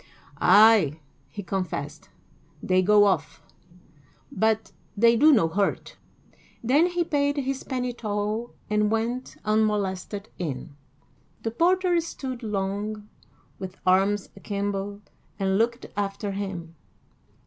"Ay," he confessed, "they go off, but they do no hurt;" then he paid his penny toll and went unmolested in. The porter stood long, with arms akimbo, and looked after him.